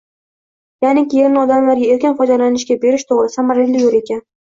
Ya’niki, yerni odamlarga erkin foydalanishga berish – to‘g‘ri, samarali yo‘l ekan.